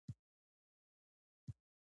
هغه د خپل دین پر بنسټ ټاکنه کوي.